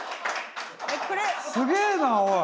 すげえなおい！